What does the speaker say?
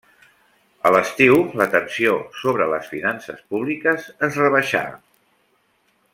A l'estiu la tensió sobre les finances públiques es rebaixà.